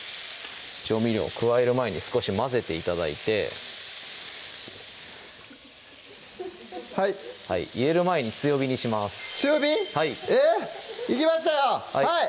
調味料を加える前に少し混ぜて頂いてはい入れる前に強火にします強火⁉えっ⁉いきましたはい！